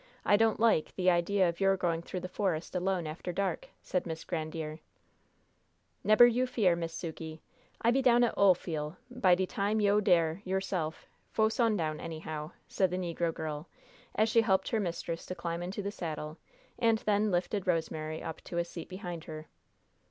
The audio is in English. I don't like, the idea of your going through the forest alone after dark," said Miss Grandiere. "Nebber you fear, Miss Sukey. I be down at Olefiel' by de time yo' dere yo'se'f fo' sundown, anyhow," said the negro girl, as she helped her mistress to climb into the saddle, and then lifted Rosemary up to a seat behind her.